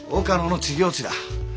岡野の知行地だ。